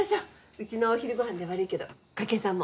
うちのお昼ご飯で悪いけど筧さんも。